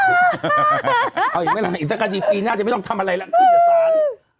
เอาอีกเมื่อไหร่อีกสักกันอีกปีหน้าจะไม่ต้องทำอะไรแล้วขึ้นสาร